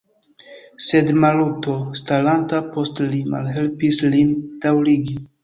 Sed Maluto, staranta post li, malhelpis lin daŭrigi.